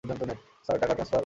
Sir, টাকা transfer?